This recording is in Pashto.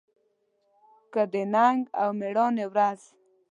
کې د ننګ او مېړانې ورځ